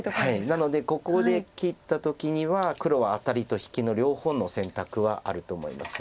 なのでここで切った時には黒はアタリと引きの両方の選択はあると思います。